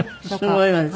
すごいわね。